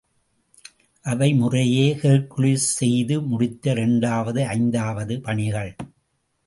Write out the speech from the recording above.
அவை முறையே ஹெர்க்குலிஸ் செய்து முடித்த இரண்டாவது, ஐந்தாவது பணிகள்.